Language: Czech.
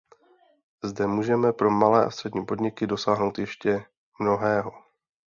Zde můžeme pro malé a střední podniky dosáhnout ještě mnohého.